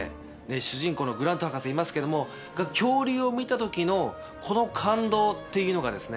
主人公のグラント博士いますけども恐竜を見た時のこの感動っていうのがですね